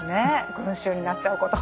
群衆になっちゃうこと。